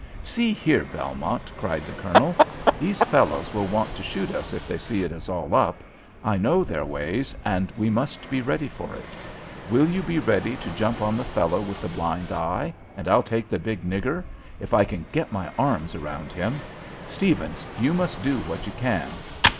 "See here, Belmont," cried the Colonel. "These fellows will want to shoot us if they see it is all up. I know their ways, and we must be ready for it. Will you be ready to jump on the fellow with the blind eye, and I'll take the big nigger, if I can get my arms around him. Stephens, you must do what you can.